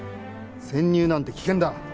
潜入なんて危険だ！